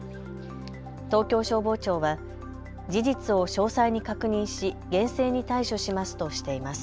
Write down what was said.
東京消防庁は事実を詳細に確認し厳正に対処しますとしています。